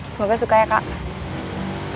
semoga sukanya kak